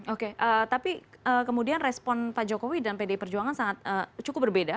oke tapi kemudian respon pak jokowi dan pdi perjuangan cukup berbeda